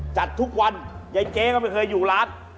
จัดทุกวันยายเจ๊ก็ไม่เคยอยู่ร้าน